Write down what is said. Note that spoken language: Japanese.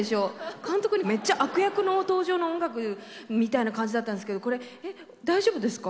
監督にめっちゃ悪役の登場の音楽みたいな感じだったんですけどこれえっ大丈夫ですか？